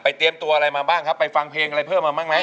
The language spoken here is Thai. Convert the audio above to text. เตรียมตัวอะไรมาบ้างครับไปฟังเพลงอะไรเพิ่มมาบ้างไหม